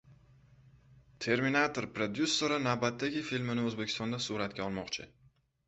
«Terminator» prodyuseri navbatdagi filmini O‘zbekistonda suratga olmoqchi